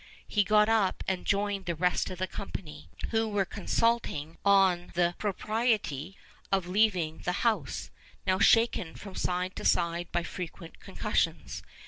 He got up and joined the rest of the company, who were consulting on the propriety of leaving the house, now shaken from side to side by frequent concussions.